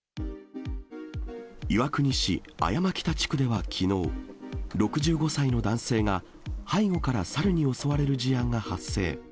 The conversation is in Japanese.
岩国市阿山北地区ではきのう、６５歳の男性が、背後から猿に襲われる事案が発生。